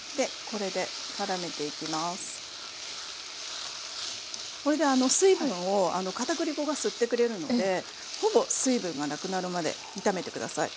これで水分をかたくり粉が吸ってくれるのでほぼ水分がなくなるまで炒めて下さい。